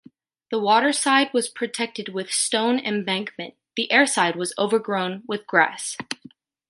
The water side was protected with a stone embankment, the air side is overgrown with grass.